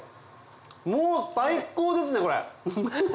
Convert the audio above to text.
もう最高ですねこれ！